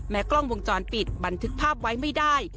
กล้องวงจรปิดบันทึกภาพไว้ไม่ได้